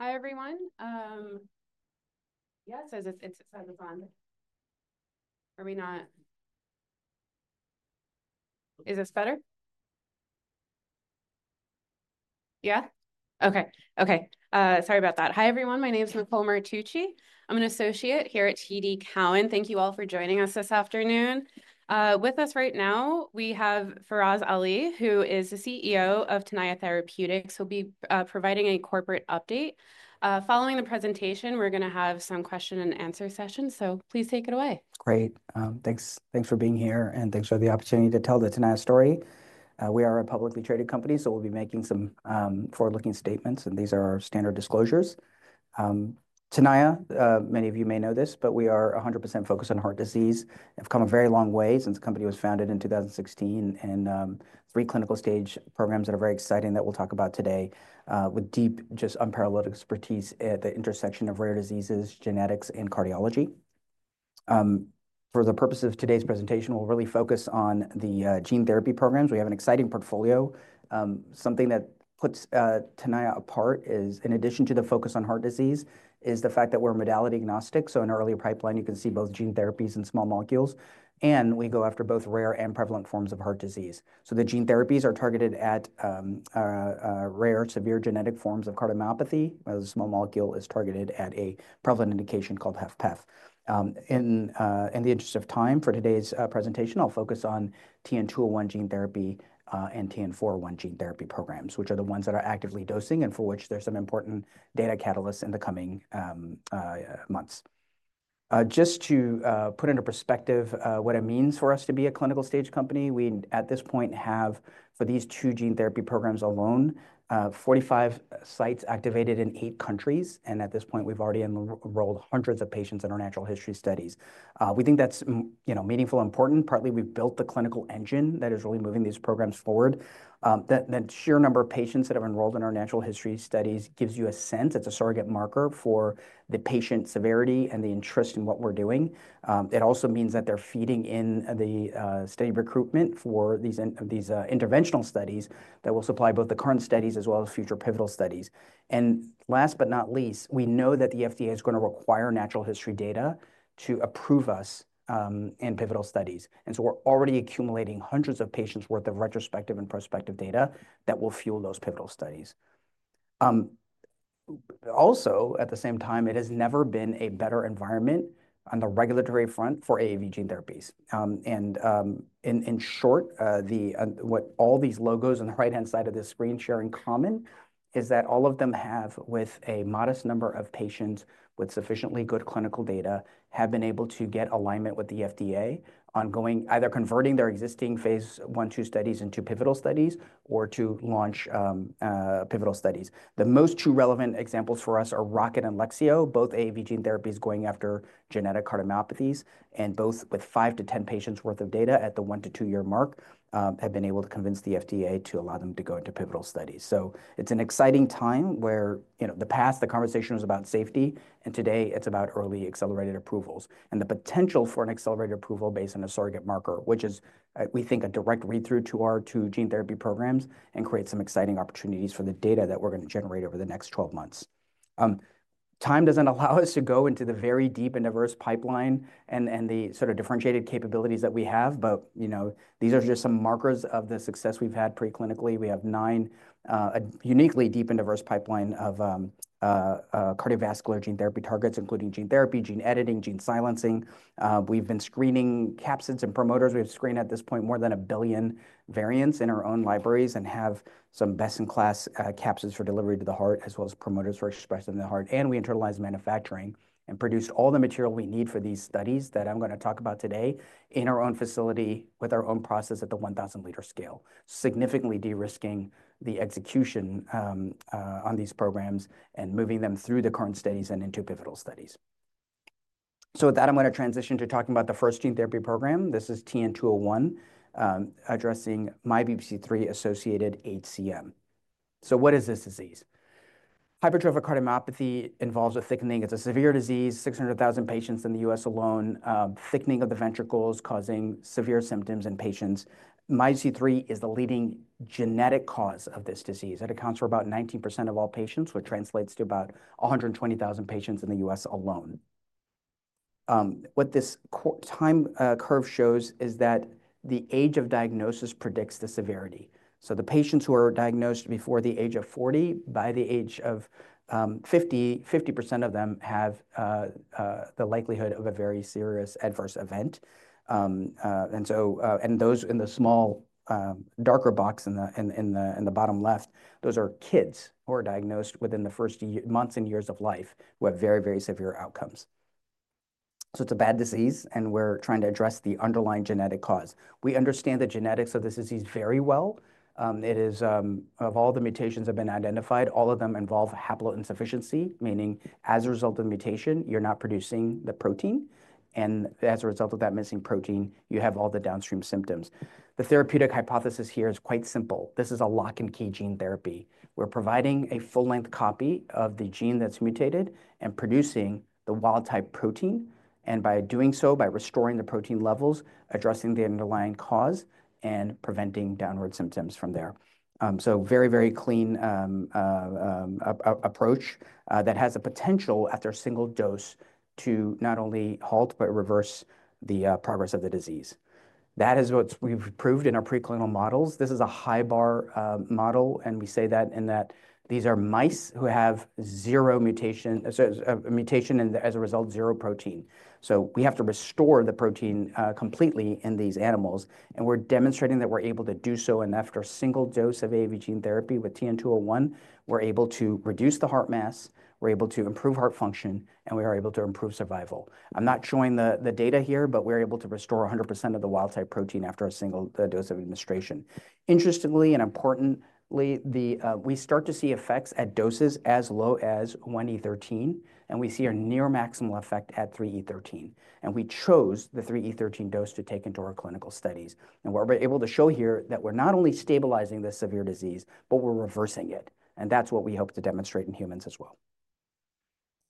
Okay. Hi, everyone. Yeah, it says, it's, it's, it's on. Are we not? Is this better? Yeah? Okay. Okay. Sorry about that. Hi, everyone. My name's Nicole Martucci. I'm an associate here at TD Cowen. Thank you all for joining us this afternoon. With us right now, we have Faraz Ali, who is the CEO of Tenaya Therapeutics. He'll be providing a corporate update. Following the presentation, we're gonna have some question-and-answer sessions, so please take it away. Great. Thanks, thanks for being here, and thanks for the opportunity to tell the Tenaya story. We are a publicly traded company, so we'll be making some forward-looking statements, and these are our standard disclosures. Tenaya, many of you may know this, but we are 100% focused on heart disease. Have come a very long way since the company was founded in 2016, and three clinical stage programs that are very exciting that we'll talk about today, with deep, just unparalleled expertise at the intersection of rare diseases, genetics, and cardiology. For the purpose of today's presentation, we'll really focus on the gene therapy programs. We have an exciting portfolio. Something that puts Tenaya apart is, in addition to the focus on heart disease, is the fact that we're modality agnostic. In our earlier pipeline, you can see both gene therapies and small molecules, and we go after both rare and prevalent forms of heart disease. The gene therapies are targeted at rare, severe genetic forms of cardiomyopathy, while the small molecule is targeted at a prevalent indication called HFpEF. In the interest of time for today's presentation, I'll focus on TN-201 gene therapy and TN-401 gene therapy programs, which are the ones that are actively dosing and for which there's some important data catalysts in the coming months. Just to put into perspective what it means for us to be a clinical stage company, we at this point have, for these two gene therapy programs alone, 45 sites activated in eight countries, and at this point, we've already enrolled hundreds of patients in our natural history studies. We think that's, you know, meaningful and important. Partly, we've built the clinical engine that is really moving these programs forward. That sheer number of patients that have enrolled in our natural history studies gives you a sense. It's a surrogate marker for the patient severity and the interest in what we're doing. It also means that they're feeding in the study recruitment for these interventional studies that will supply both the current studies as well as future pivotal studies. Last but not least, we know that the FDA is gonna require natural history data to approve us in pivotal studies. We're already accumulating hundreds of patients' worth of retrospective and prospective data that will fuel those pivotal studies. Also, at the same time, it has never been a better environment on the regulatory front for AAV gene therapies. In short, what all these logos on the right-hand side of this screen share in common is that all of them have, with a modest number of patients with sufficiently good clinical data, been able to get alignment with the FDA on going either converting their existing phase I-II studies into pivotal studies or to launch pivotal studies. The most true relevant examples for us are Rocket and Lexeo, both AAV gene therapies going after genetic cardiomyopathies, and both, with five to 10 patients' worth of data at the one to two-year mark, have been able to convince the FDA to allow them to go into pivotal studies. It's an exciting time where, you know, the past, the conversation was about safety, and today it's about early accelerated approvals and the potential for an accelerated approval based on a surrogate marker, which is, we think, a direct read-through to our two gene therapy programs and creates some exciting opportunities for the data that we're gonna generate over the next 12 months. Time doesn't allow us to go into the very deep and diverse pipeline and, and the sort of differentiated capabilities that we have, but, you know, these are just some markers of the success we've had preclinically. We have nine, a uniquely deep and diverse pipeline of cardiovascular gene therapy targets, including gene therapy, gene editing, gene silencing. We've been screening capsids and promoters. We have screened at this point more than a billion variants in our own libraries and have some best-in-class capsids for delivery to the heart, as well as promoters for expression of the heart. We internalized manufacturing and produced all the material we need for these studies that I'm gonna talk about today in our own facility with our own process at the 1,000-liter scale, significantly de-risking the execution on these programs and moving them through the current studies and into pivotal studies. With that, I'm gonna transition to talking about the first gene therapy program. This is TN-201, addressing MYBPC3-associated HCM. What is this disease? Hypertrophic cardiomyopathy involves a thickening. It's a severe disease, 600,000 patients in the U.S. alone, thickening of the ventricles causing severe symptoms in patients. MYBPC3 is the leading genetic cause of this disease. It accounts for about 19% of all patients, which translates to about 120,000 patients in the U.S. alone. What this time curve shows is that the age of diagnosis predicts the severity. The patients who are diagnosed before the age of 40, by the age of 50, 50% of them have the likelihood of a very serious adverse event. Those in the small, darker box in the bottom left, those are kids who are diagnosed within the first months and years of life who have very, very severe outcomes. It is a bad disease, and we are trying to address the underlying genetic cause. We understand the genetics of this disease very well. It is, of all the mutations that have been identified, all of them involve haploinsufficiency, meaning as a result of mutation, you're not producing the protein, and as a result of that missing protein, you have all the downstream symptoms. The therapeutic hypothesis here is quite simple. This is a lock-and-key gene therapy. We're providing a full-length copy of the gene that's mutated and producing the wild-type protein, and by doing so, by restoring the protein levels, addressing the underlying cause, and preventing downward symptoms from there. Very, very clean approach, that has the potential, after a single dose, to not only halt but reverse the progress of the disease. That is what we've proved in our preclinical models. This is a high-bar model, and we say that in that these are mice who have zero mutation, so a mutation, and as a result, zero protein. We have to restore the protein completely in these animals, and we're demonstrating that we're able to do so. After a single dose of AAV gene therapy with TN-201, we're able to reduce the heart mass, we're able to improve heart function, and we are able to improve survival. I'm not showing the data here, but we're able to restore 100% of the wild-type protein after a single dose of administration. Interestingly and importantly, we start to see effects at doses as low as 1E13, and we see a near maximal effect at 3E13. We chose the 3E13 dose to take into our clinical studies. What we're able to show here is that we're not only stabilizing this severe disease, but we're reversing it. That's what we hope to demonstrate in humans as well.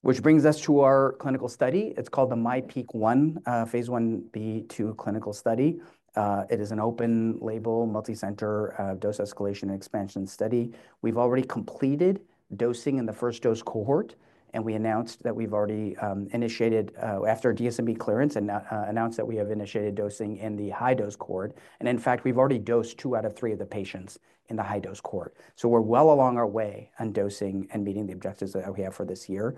Which brings us to our clinical study. It's called the MyPEAK-1, phase 1b/2 clinical study. It is an open-label, multi-center, dose escalation and expansion study. We've already completed dosing in the first dose cohort, and we announced that we've already initiated, after DSMB clearance, and announced that we have initiated dosing in the high-dose cohort. In fact, we've already dosed two out of three of the patients in the high-dose cohort. We are well along our way on dosing and meeting the objectives that we have for this year.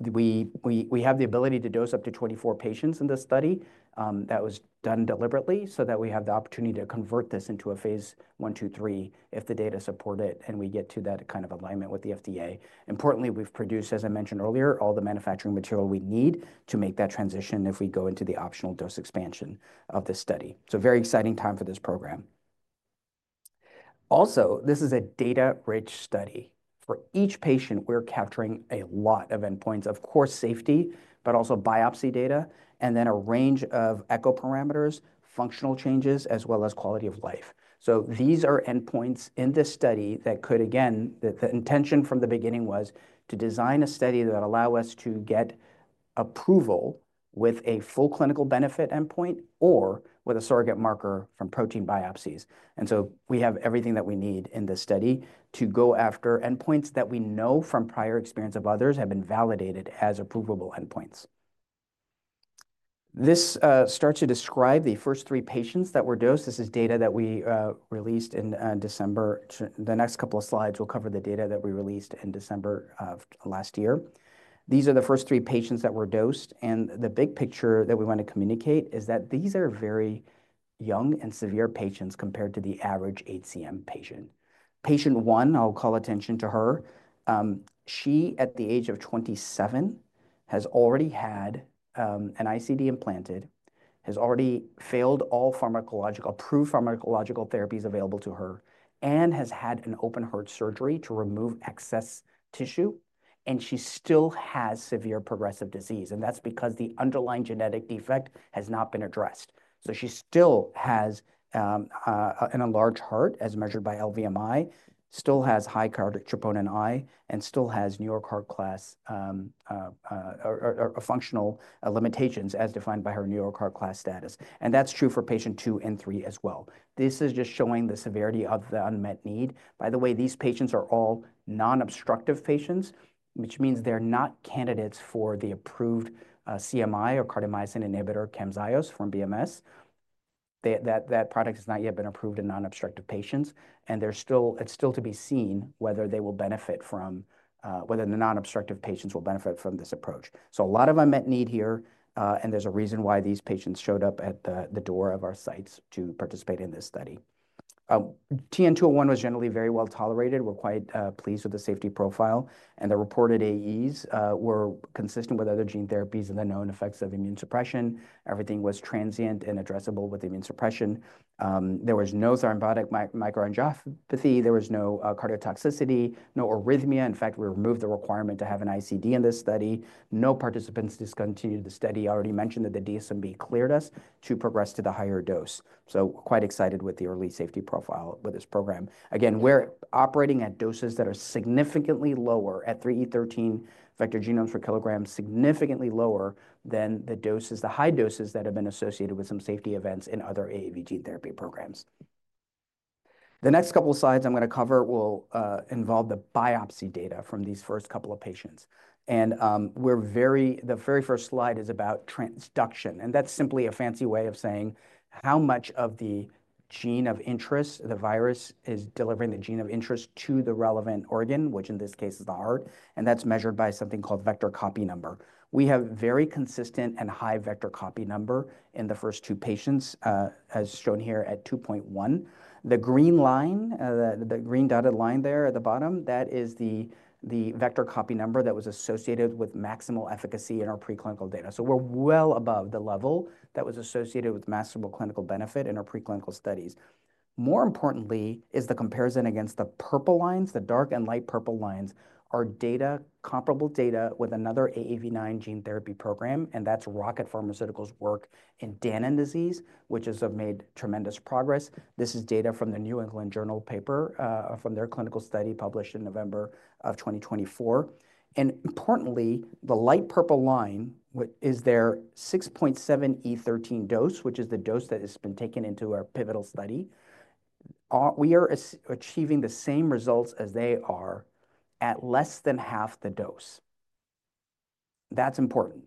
We have the ability to dose up to 24 patients in this study. That was done deliberately so that we have the opportunity to convert this into a phase I/II/III if the data support it, and we get to that kind of alignment with the FDA. Importantly, we've produced, as I mentioned earlier, all the manufacturing material we need to make that transition if we go into the optional dose expansion of this study. Very exciting time for this program. Also, this is a data-rich study. For each patient, we're capturing a lot of endpoints, of course, safety, but also biopsy data, and then a range of echo parameters, functional changes, as well as quality of life. These are endpoints in this study that could, again, the intention from the beginning was to design a study that would allow us to get approval with a full clinical benefit endpoint or with a surrogate marker from protein biopsies. We have everything that we need in this study to go after endpoints that we know from prior experience of others have been validated as approvable endpoints. This starts to describe the first three patients that were dosed. This is data that we released in December. The next couple of slides will cover the data that we released in December of last year. These are the first three patients that were dosed, and the big picture that we want to communicate is that these are very young and severe patients compared to the average HCM patient. Patient One, I'll call attention to her. She, at the age of 27, has already had an ICD implanted, has already failed all approved pharmacological therapies available to her, and has had an open heart surgery to remove excess tissue, and she still has severe progressive disease. That is because the underlying genetic defect has not been addressed. She still has an enlarged heart, as measured by LVMI, still has high cardiac troponin I, and still has New York Heart Class, or functional limitations as defined by her New York Heart Class status. That is true for patient two and three as well. This is just showing the severity of the unmet need. By the way, these patients are all non-obstructive patients, which means they are not candidates for the approved CMI or Cardiac Myosin Inhibitor, Camzyos, from BMS. That product has not yet been approved in non-obstructive patients, and it is still to be seen whether the non-obstructive patients will benefit from this approach. A lot of unmet need here, and there is a reason why these patients showed up at the door of our sites to participate in this study. TN-201 was generally very well tolerated. We're quite pleased with the safety profile, and the reported AEs were consistent with other gene therapies and the known effects of immune suppression. Everything was transient and addressable with immune suppression. There was no thrombotic microangiopathy. There was no cardiotoxicity, no arrhythmia. In fact, we removed the requirement to have an ICD in this study. No participants discontinued the study. I already mentioned that the DSMB cleared us to progress to the higher dose. Quite excited with the early safety profile with this program. Again, we're operating at doses that are significantly lower at 3E13 vector genomes per kilogram, significantly lower than the high doses that have been associated with some safety events in other AAV gene therapy programs. The next couple of slides I'm gonna cover will involve the biopsy data from these first couple of patients. We are very, the very first slide is about transduction, and that's simply a fancy way of saying how much of the gene of interest, the virus is delivering the gene of interest to the relevant organ, which in this case is the heart, and that's measured by something called vector copy number. We have very consistent and high vector copy number in the first two patients, as shown here at 2.1. The green line, the green dotted line there at the bottom, that is the vector copy number that was associated with maximal efficacy in our preclinical data. We are well above the level that was associated with maximal clinical benefit in our preclinical studies. More importantly, is the comparison against the purple lines, the dark and light purple lines, our data, comparable data with another AAV9 gene therapy program, and that's Rocket Pharmaceuticals' work in Danon disease, which has made tremendous progress. This is data from the New England Journal paper, from their clinical study published in November of 2024. Importantly, the light purple line, which is their 6.7E13 dose, which is the dose that has been taken into our pivotal study, we are achieving the same results as they are at less than half the dose. That's important.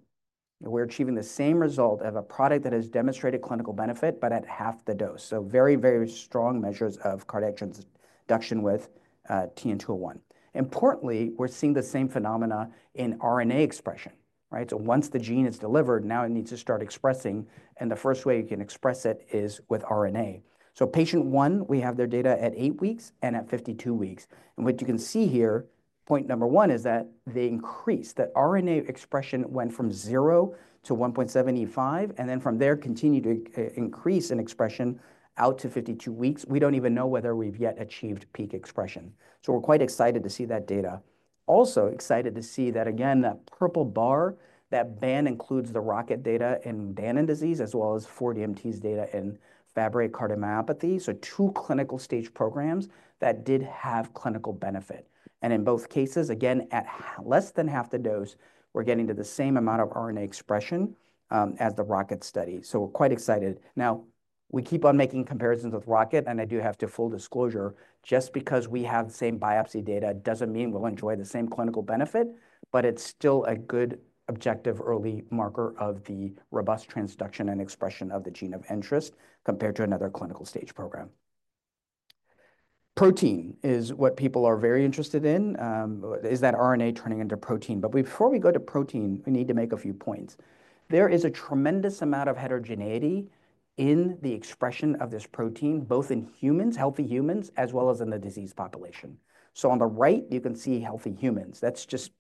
We're achieving the same result of a product that has demonstrated clinical benefit, but at half the dose. Very, very strong measures of cardiac transduction with TN-201. Importantly, we're seeing the same phenomena in RNA expression, right? Once the gene is delivered, now it needs to start expressing, and the first way you can express it is with RNA. Patient one, we have their data at eight weeks and at 52 weeks. What you can see here, point number one is that they increased, that RNA expression went from zero to 1.7E5, and then from there continued to increase in expression out to 52 weeks. We do not even know whether we have yet achieved peak expression. We are quite excited to see that data. Also excited to see that, again, that purple bar, that band includes the Rocket data in Danon disease as well as 4DMT's data in Fabry cardiomyopathy. Two clinical stage programs that did have clinical benefit. In both cases, again, at less than half the dose, we are getting to the same amount of RNA expression as the Rocket study. We're quite excited. Now, we keep on making comparisons with Rocket, and I do have to, full disclosure, just because we have the same biopsy data doesn't mean we'll enjoy the same clinical benefit, but it's still a good objective early marker of the robust transduction and expression of the gene of interest compared to another clinical stage program. Protein is what people are very interested in, is that RNA turning into protein. Before we go to protein, we need to make a few points. There is a tremendous amount of heterogeneity in the expression of this protein, both in humans, healthy humans, as well as in the disease population. On the right, you can see healthy humans. That's just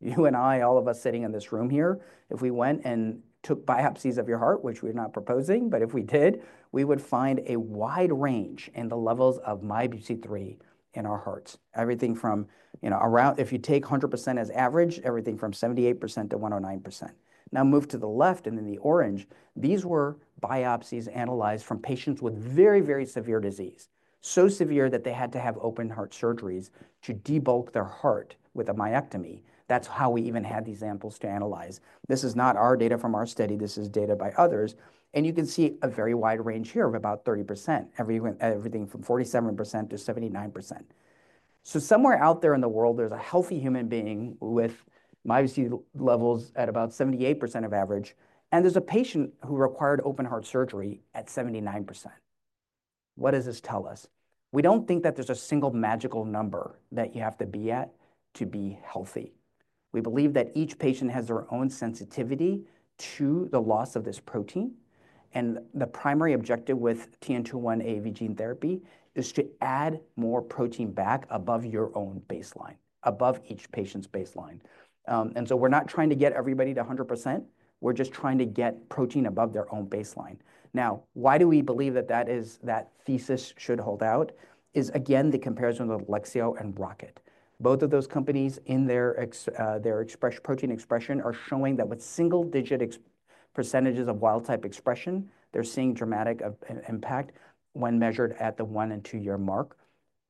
you and I, all of us sitting in this room here. If we went and took biopsies of your heart, which we're not proposing, but if we did, we would find a wide range in the levels of MYBPC3 in our hearts. Everything from, you know, around, if you take 100% as average, everything from 78%-109%. Now move to the left and in the orange, these were biopsies analyzed from patients with very, very severe disease. So severe that they had to have open heart surgeries to debulk their heart with a myectomy. That's how we even had these samples to analyze. This is not our data from our study. This is data by others. You can see a very wide range here of about 30%, everything from 47%-79%. Somewhere out there in the world, there's a healthy human being with MYBPC3 levels at about 78% of average, and there's a patient who required open heart surgery at 79%. What does this tell us? We don't think that there's a single magical number that you have to be at to be healthy. We believe that each patient has their own sensitivity to the loss of this protein, and the primary objective with TN-201 AAV gene therapy is to add more protein back above your own baseline, above each patient's baseline. We're not trying to get everybody to 100%. We're just trying to get protein above their own baseline. Now, why do we believe that that is, that thesis should hold out is, again, the comparison with Lexeo and Rocket. Both of those companies in their express protein expression are showing that with single-digit percentage of wild-type expression, they're seeing dramatic impact when measured at the one and two-year mark.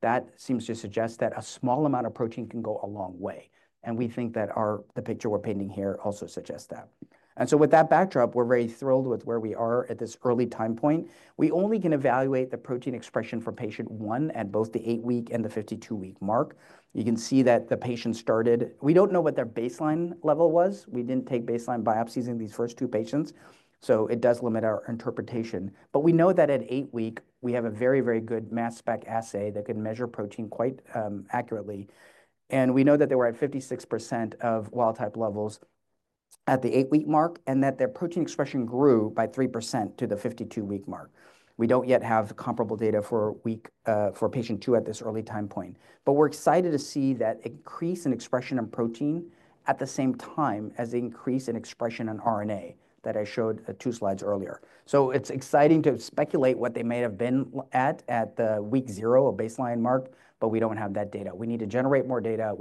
That seems to suggest that a small amount of protein can go a long way, and we think that our, the picture we're painting here also suggests that. With that backdrop, we're very thrilled with where we are at this early time point. We only can evaluate the protein expression for patient one at both the eight-week and the 52-week mark. You can see that the patient started, we don't know what their baseline level was. We didn't take baseline biopsies in these first two patients, so it does limit our interpretation. We know that at eight-week, we have a very, very good mass spec assay that can measure protein quite accurately. We know that they were at 56% of wild-type levels at the eight-week mark and that their protein expression grew by 3% to the 52-week mark. We do not yet have comparable data for week, for patient two at this early time point, but we are excited to see that increase in expression of protein at the same time as the increase in expression on RNA that I showed two slides earlier. It is exciting to speculate what they may have been at, at the week zero of baseline mark, but we do not have that data. We need to generate more data.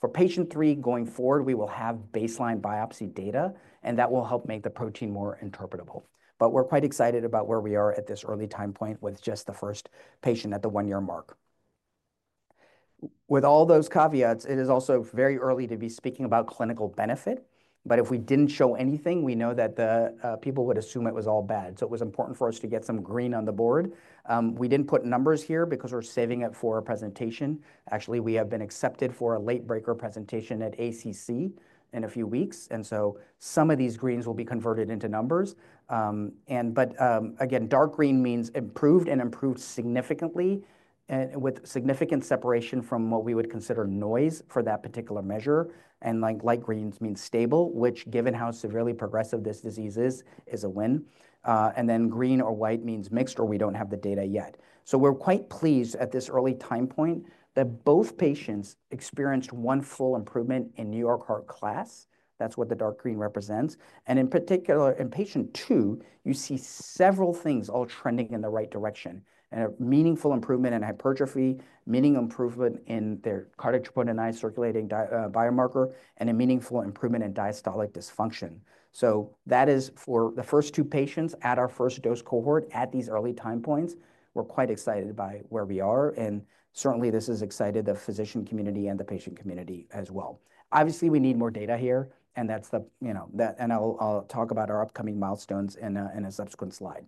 For patient three going forward, we will have baseline biopsy data, and that will help make the protein more interpretable. We are quite excited about where we are at this early time point with just the first patient at the one-year mark. With all those caveats, it is also very early to be speaking about clinical benefit, but if we did not show anything, we know that the, people would assume it was all bad. So it was important for us to get some green on the board. We did not put numbers here because we are saving it for a presentation. Actually, we have been accepted for a late breaker presentation at ACC in a few weeks, and so some of these greens will be converted into numbers. Again, dark green means improved and improved significantly and with significant separation from what we would consider noise for that particular measure. Light greens means stable, which, given how severely progressive this disease is, is a win. Green or white means mixed or we do not have the data yet. We're quite pleased at this early time point that both patients experienced one full improvement in New York Heart Class. That's what the dark green represents. In particular, in patient two, you see several things all trending in the right direction and a meaningful improvement in hypertrophy, meaning improvement in their cardiac troponin I circulating biomarker and a meaningful improvement in diastolic dysfunction. That is for the first two patients at our first dose cohort at these early time points. We're quite excited by where we are, and certainly this has excited the physician community and the patient community as well. Obviously, we need more data here, and that's the, you know, that, and I'll talk about our upcoming milestones in a subsequent slide.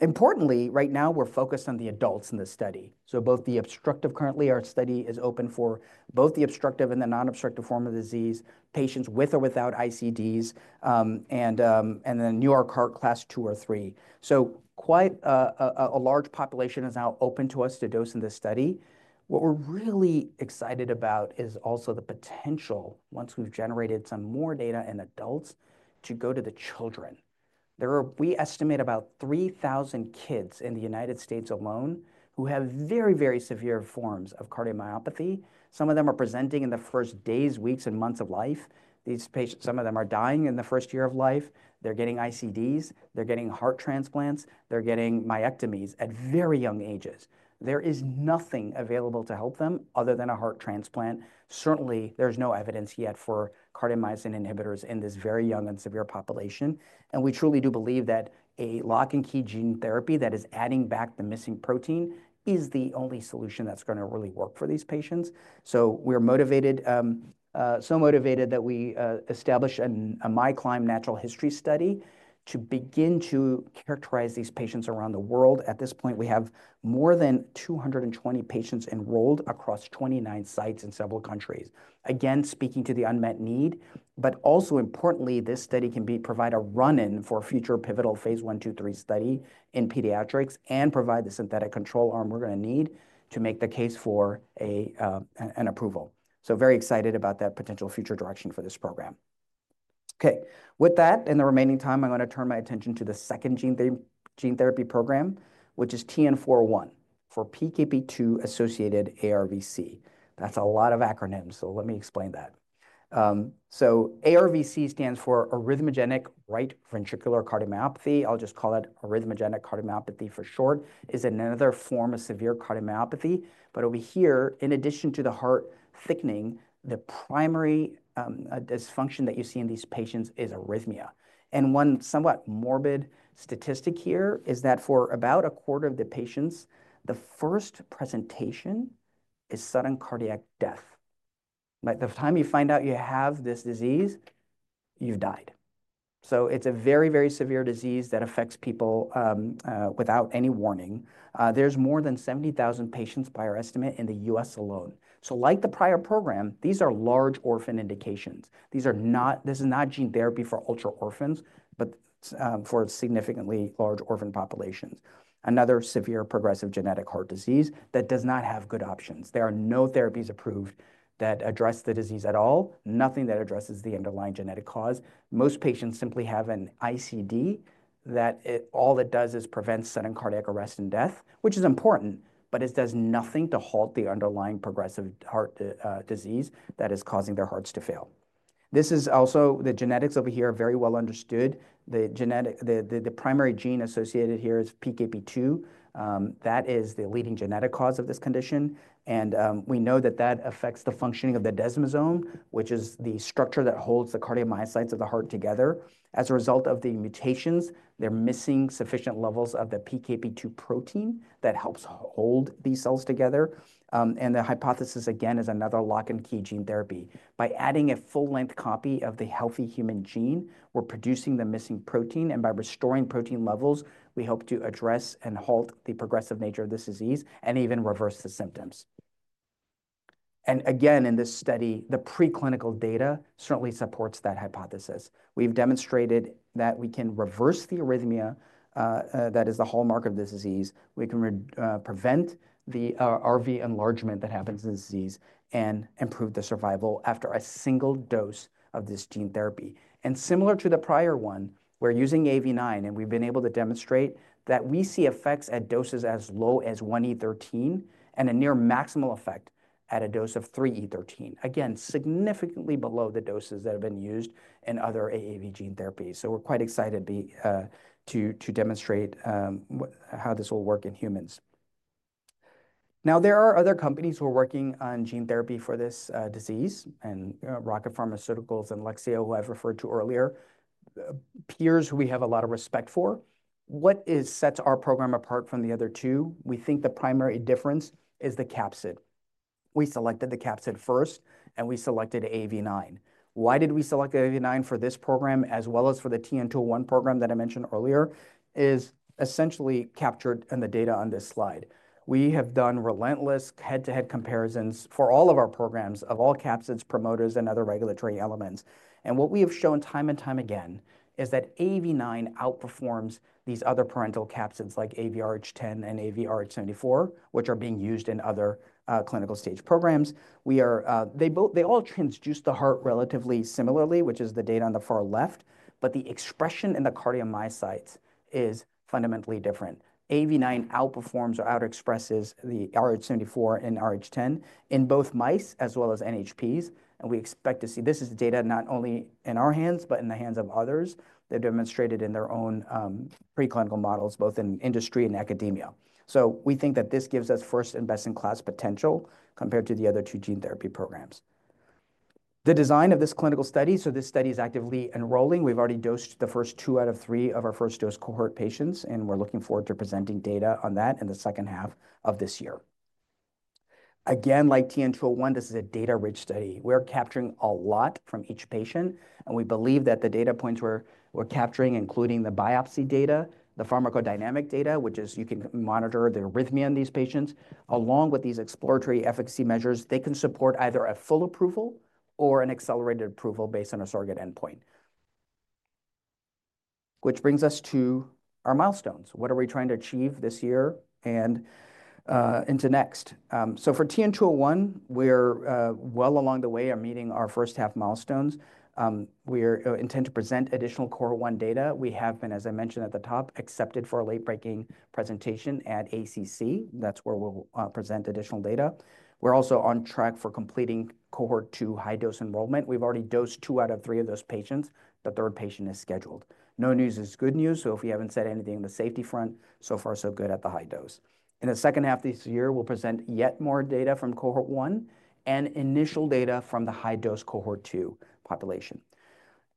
Importantly, right now we're focused on the adults in the study. Both the obstructive, currently our study is open for both the obstructive and the non-obstructive form of disease, patients with or without ICDs, and then New York Heart Class two or three. Quite a large population is now open to us to dose in this study. What we're really excited about is also the potential, once we've generated some more data in adults, to go to the children. There are, we estimate, about 3,000 kids in the United States alone who have very, very severe forms of cardiomyopathy. Some of them are presenting in the first days, weeks, and months of life. These patients, some of them are dying in the first year of life. They're getting ICDs, they're getting heart transplants, they're getting myectomies at very young ages. There is nothing available to help them other than a heart transplant. Certainly, there's no evidence yet for cardiomyosin inhibitors in this very young and severe population. We truly do believe that a lock and key gene therapy that is adding back the missing protein is the only solution that's gonna really work for these patients. We are motivated, so motivated that we established a MyCLIMB natural history study to begin to characterize these patients around the world. At this point, we have more than 220 patients enrolled across 29 sites in several countries. Again, speaking to the unmet need, but also importantly, this study can provide a run-in for future pivotal phase I, II, III study in pediatrics and provide the synthetic control arm we're gonna need to make the case for an approval. Very excited about that potential future direction for this program. Okay. With that, in the remaining time, I'm gonna turn my attention to the second gene therapy program, which is TN-401 for PKP2-associated ARVC. That's a lot of acronyms, so let me explain that. ARVC stands for Arrhythmogenic Right Ventricular Cardiomyopathy. I'll just call it arrhythmogenic cardiomyopathy for short, is another form of severe cardiomyopathy. Over here, in addition to the heart thickening, the primary dysfunction that you see in these patients is arrhythmia. One somewhat morbid statistic here is that for about a quarter of the patients, the first presentation is sudden cardiac death. By the time you find out you have this disease, you've died. It is a very, very severe disease that affects people without any warning. There are more than 70,000 patients by our estimate in the U.S. alone. Like the prior program, these are large orphan indications. These are not, this is not gene therapy for ultra orphans, but for significantly large orphan populations. Another severe progressive genetic heart disease that does not have good options. There are no therapies approved that address the disease at all, nothing that addresses the underlying genetic cause. Most patients simply have an ICD that, all it does is prevent sudden cardiac arrest and death, which is important, but it does nothing to halt the underlying progressive heart disease that is causing their hearts to fail. This is also the genetics over here, very well understood. The genetic, the primary gene associated here is PKP2. That is the leading genetic cause of this condition. We know that that affects the functioning of the desmosome, which is the structure that holds the cardiomyocytes of the heart together. As a result of the mutations, they're missing sufficient levels of the PKP2 protein that helps hold these cells together. The hypothesis again is another lock and key gene therapy. By adding a full-length copy of the healthy human gene, we're producing the missing protein, and by restoring protein levels, we hope to address and halt the progressive nature of this disease and even reverse the symptoms. In this study, the preclinical data certainly supports that hypothesis. We've demonstrated that we can reverse the arrhythmia, that is the hallmark of this disease. We can prevent the RV enlargement that happens in this disease and improve the survival after a single dose of this gene therapy. Similar to the prior one, we're using AAV9, and we've been able to demonstrate that we see effects at doses as low as 1E13 and a near maximal effect at a dose of 3E13. Again, significantly below the doses that have been used in other AAV gene therapies. We're quite excited to demonstrate how this will work in humans. There are other companies who are working on gene therapy for this disease, and Rocket Pharmaceuticals and Lexeo, who I've referred to earlier, are peers who we have a lot of respect for. What sets our program apart from the other two? We think the primary difference is the capsid. We selected the capsid first, and we selected AAV9. Why did we select AAV9 for this program, as well as for the TN-201 program that I mentioned earlier, is essentially captured in the data on this slide. We have done relentless head-to-head comparisons for all of our programs of all capsids, promoters, and other regulatory elements. What we have shown time and time again is that AAV9 outperforms these other parental capsids like AAVrh10 and AAVrh74, which are being used in other clinical stage programs. They both, they all transduce the heart relatively similarly, which is the data on the far left, but the expression in the cardiomyocytes is fundamentally different. AAV9 outperforms or out-expresses the rh74 and rh10 in both mice as well as NHPs. We expect to see this is data not only in our hands, but in the hands of others that demonstrated in their own, preclinical models, both in industry and academia. We think that this gives us first and best in class potential compared to the other two gene therapy programs. The design of this clinical study, so this study is actively enrolling. We've already dosed the first two out of three of our first dose cohort patients, and we're looking forward to presenting data on that in the second half of this year. Again, like TN-201, this is a data-rich study. We are capturing a lot from each patient, and we believe that the data points we're capturing, including the biopsy data, the pharmacodynamic data, which is you can monitor the arrhythmia in these patients, along with these exploratory efficacy measures, they can support either a full approval or an accelerated approval based on a surrogate endpoint. Which brings us to our milestones. What are we trying to achieve this year and, into next? For TN-201, we're well along the way of meeting our first half milestones. We intend to present additional cohort one data. We have been, as I mentioned at the top, accepted for a late-breaking presentation at ACC. That's where we'll present additional data. We're also on track for completing cohort two high-dose enrollment. We've already dosed two out of three of those patients. The third patient is scheduled. No news is good news. If we have not said anything on the safety front, so far, so good at the high dose. In the second half of this year, we will present yet more data from cohort one and initial data from the high-dose cohort two population.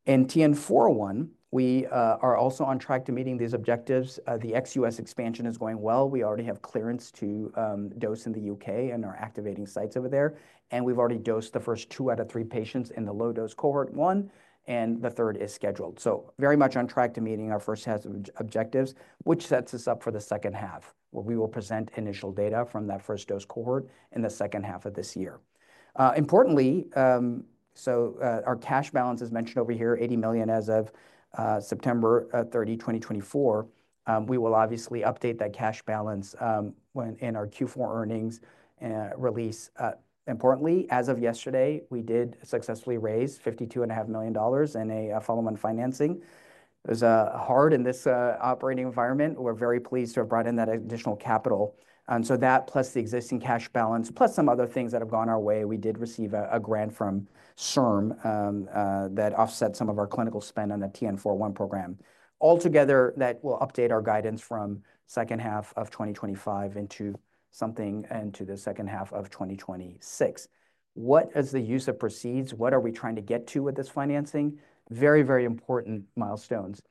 In TN-401, we are also on track to meeting these objectives. The ex-U.S. expansion is going well. We already have clearance to dose in the U.K. and are activating sites over there. We have already dosed the first two out of three patients in the low-dose cohort one, and the third is scheduled. Very much on track to meeting our first half objectives, which sets us up for the second half, where we will present initial data from that first dose cohort in the second half of this year. Importantly, our cash balance as mentioned over here is $80 million as of September 30, 2024. We will obviously update that cash balance when, in our Q4 earnings release. Importantly, as of yesterday, we did successfully raise $52.5 million in a follow-on financing. It was hard in this operating environment. We're very pleased to have brought in that additional capital. That, plus the existing cash balance, plus some other things that have gone our way, we did receive a grant from CIRM that offset some of our clinical spend on the TN-401 program. Altogether, that will update our guidance from second half of 2025 into something into the second half of 2026. What is the use of proceeds? What are we trying to get to with this financing? Very, very important milestones.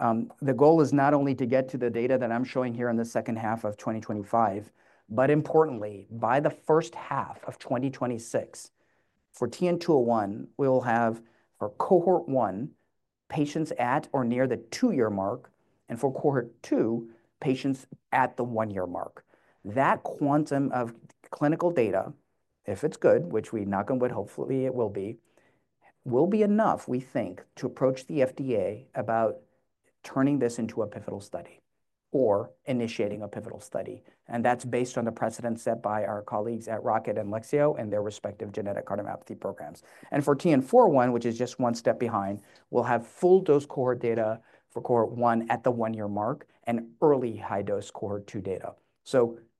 The goal is not only to get to the data that I'm showing here in the second half of 2025, but importantly, by the first half of 2026, for TN-201, we'll have for cohort one, patients at or near the two-year mark, and for cohort two, patients at the one-year mark. That quantum of clinical data, if it's good, which we knock on wood, hopefully it will be, will be enough, we think, to approach the FDA about turning this into a pivotal study or initiating a pivotal study. That's based on the precedent set by our colleagues at Rocket and Lexeo and their respective genetic cardiomyopathy programs. For TN-401, which is just one step behind, we'll have full dose cohort data for cohort one at the one-year mark and early high-dose cohort two data.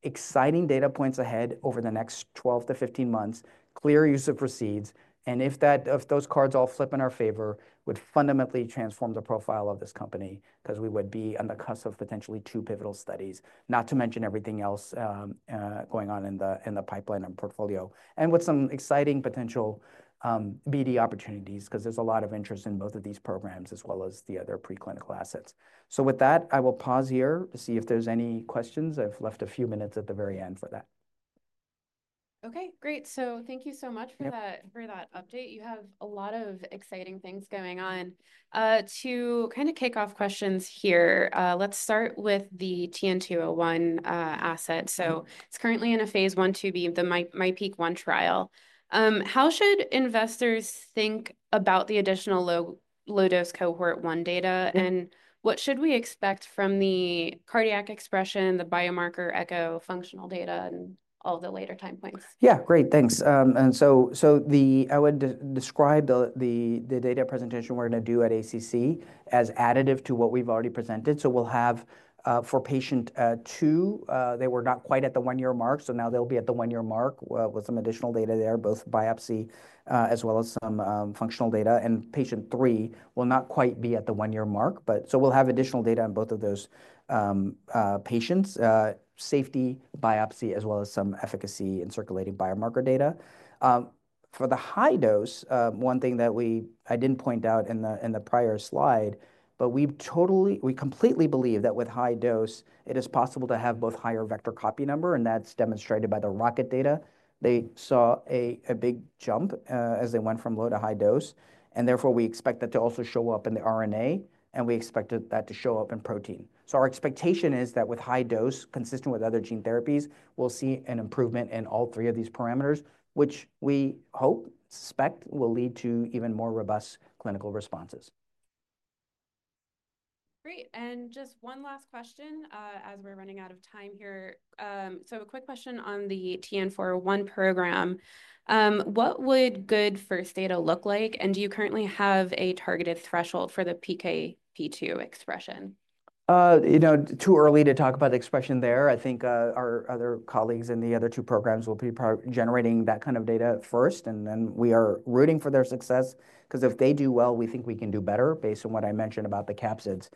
Exciting data points ahead over the next 12-15 months, clear use of proceeds. If those cards all flip in our favor, would fundamentally transform the profile of this company 'cause we would be on the cusp of potentially two pivotal studies, not to mention everything else going on in the pipeline and portfolio and with some exciting potential BD opportunities 'cause there's a lot of interest in both of these programs as well as the other preclinical assets. With that, I will pause here to see if there's any questions. I've left a few minutes at the very end for that. Okay, great. Thank you so much for that update. You have a lot of exciting things going on. To kind of kick off questions here, let's start with the TN-201 asset. It's currently in a Phase 1b/2, the MyPEAK-1 trial. How should investors think about the additional low, low-dose cohort one data and what should we expect from the cardiac expression, the biomarker echo, functional data, and all the later time points? Yeah, great. Thanks. I would describe the data presentation we're gonna do at ACC as additive to what we've already presented. We'll have, for patient two, they were not quite at the one-year mark, so now they'll be at the one-year mark with some additional data there, both biopsy, as well as some functional data. Patient three will not quite be at the one-year mark, but we'll have additional data on both of those patients, safety biopsy, as well as some efficacy and circulating biomarker data. For the high dose, one thing that we, I did not point out in the prior slide, but we totally, we completely believe that with high dose, it is possible to have both higher vector copy number, and that is demonstrated by the Rocket data. They saw a big jump, as they went from low to high dose, and therefore we expect that to also show up in the RNA, and we expected that to show up in protein. Our expectation is that with high dose, consistent with other gene therapies, we will see an improvement in all three of these parameters, which we hope, suspect, will lead to even more robust clinical responses. Great. Just one last question, as we are running out of time here. A quick question on the TN-401 program. What would good first data look like? Do you currently have a targeted threshold for the PKP2 expression? You know, too early to talk about the expression there. I think our other colleagues in the other two programs will be generating that kind of data first, and then we are rooting for their success 'cause if they do well, we think we can do better based on what I mentioned about the capsids.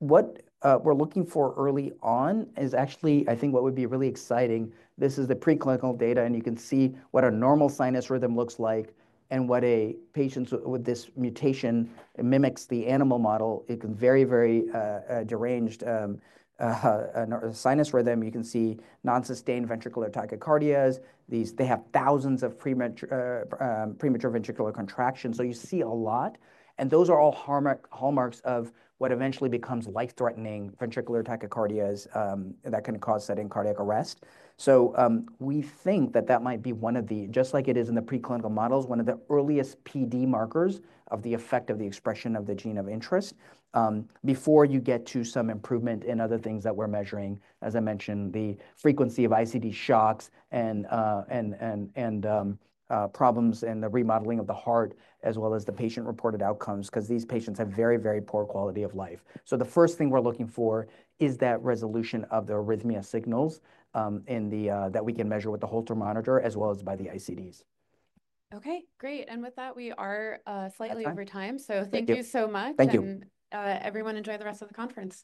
What we're looking for early on is actually, I think what would be really exciting, this is the preclinical data, and you can see what a normal sinus rhythm looks like and what a patient with this mutation mimics in the animal model. It can be very, very deranged sinus rhythm. You can see non-sustained ventricular tachycardias. These, they have thousands of premature, premature ventricular contractions. You see a lot, and those are all hallmarks, hallmarks of what eventually becomes life-threatening ventricular tachycardias, that can cause sudden cardiac arrest. We think that that might be one of the, just like it is in the preclinical models, one of the earliest PD markers of the effect of the expression of the gene of interest, before you get to some improvement in other things that we're measuring. As I mentioned, the frequency of ICD shocks and problems and the remodeling of the heart, as well as the patient-reported outcomes, 'cause these patients have very, very poor quality of life. The first thing we're looking for is that resolution of the arrhythmia signals, that we can measure with the Holter monitor, as well as by the ICDs. Okay, great. With that, we are slightly over time. Thank you so much. Thank you. Everyone enjoy the rest of the conference.